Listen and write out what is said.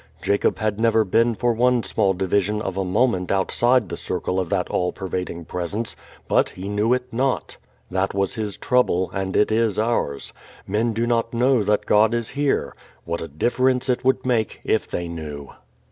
Jacob had never been for one small division of a moment outside the circle of that all pervading Presence. But he knew it not. That was his trouble, and it is ours. Men do not know that God is here. What a difference it would make if they knew.